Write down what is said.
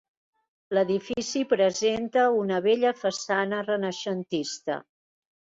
L'edifici presenta una bella façana renaixentista.